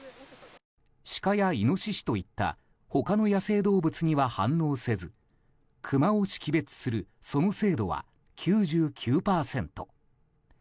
シカやイノシシといった他の野生動物には反応せずクマを識別するその精度は９９％。